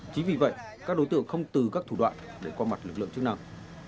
chính vì vậy các đối tượng không từ các thủ đoạn để qua mặt lực lượng chức năng